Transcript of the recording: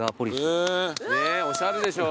おしゃれでしょう？